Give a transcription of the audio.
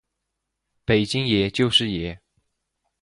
北京爷，就是爷！